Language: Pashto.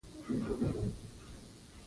خلګ وايي، خوب مې ستا په لورې تللی